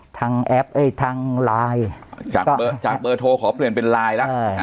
ทางแอปเอ่ยทางไลน์จากจากเบอร์โทรขอเปลี่ยนเป็นไลน์ล่ะเอออ่า